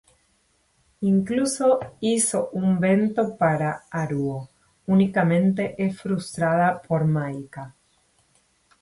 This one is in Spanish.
Incluso hizo un bento para Haruo, únicamente es frustrada por Maika.